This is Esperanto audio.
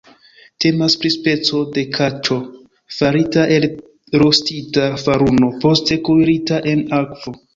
Temas pri speco de kaĉo, farita el rostita faruno, poste kuirita en akvo.